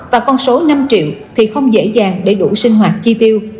và con số năm triệu thì không dễ dàng để đủ sinh hoạt chi tiêu